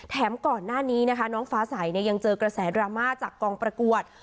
ก่อนหน้านี้นะคะน้องฟ้าใสยังเจอกระแสดราม่าจากกองประกวด